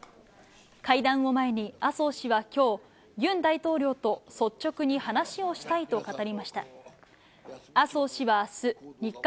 会談を前に、麻生氏はきょう、ユン大統領と率直に話をしたいと語りました。